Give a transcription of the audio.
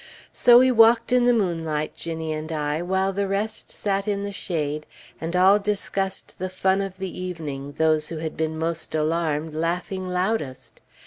So we walked in the moonlight, Ginnie and I, while the rest sat in the shade, and all discussed the fun of the evening, those who had been most alarmed laughing loudest.